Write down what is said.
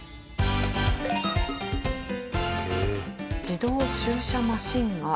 自動駐車マシンが登場。